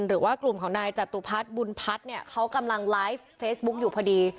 หรือว่ากลุ่มของนายจตุพัฒน์บุญพัฒน์เนี่ยเขากำลังไลฟ์เฟซบุ๊กอยู่พอดี